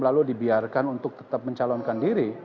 lalu dibiarkan untuk tetap dihadapi